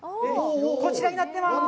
こちらになってます。